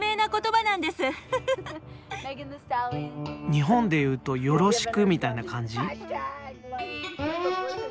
日本で言うと「夜露死苦」みたいな感じ？